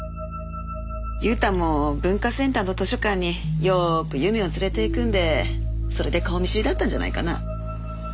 祐太も文化センターの図書館によく祐芽を連れて行くんでそれで顔見知りだったんじゃないかな？